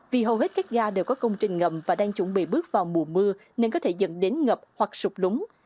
vì hầu hết các ga đều có công trình ngầm và đang chuẩn bị bước vào mùa mưa nên có thể dẫn đến ngập hoặc sụp lúng